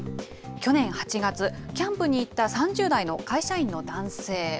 去年８月、キャンプに行った３０代の会社員の男性。